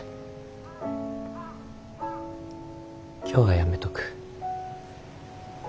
今日はやめとく。